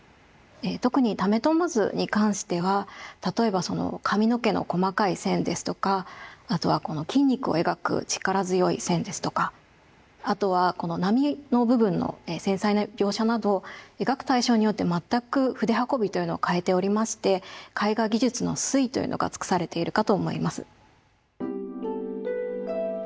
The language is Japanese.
特に「為朝図」に関しては例えばその髪の毛の細かい線ですとかあとはこの筋肉を描く力強い線ですとかあとはこの波の部分の繊細な描写など描く対象によって全く筆運びというのを変えておりまして絵画技術の粋というのが尽くされているかと思います。